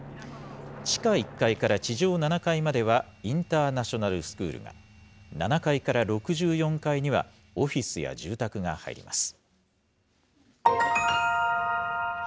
地下１階から地上７階まではインターナショナルスクールが、７階から６４階にはオフィスや住宅が入ります。